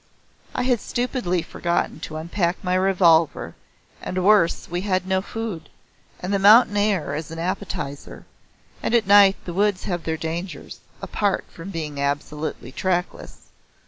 I had stupidly forgotten to unpack my revolver, and worse, we had no food, and the mountain air is an appetiser, and at night the woods have their dangers, apart from being absolutely trackless.